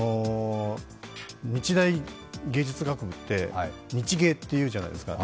日大芸術学部って、日芸って言うじゃないですか。